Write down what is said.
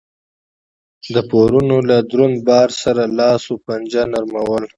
د پورونو له دروند بار سره لاس و پنجه نرموله